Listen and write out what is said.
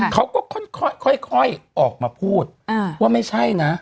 เขาก็ค่อยออกมาพูดว่าไม่ใช่นะ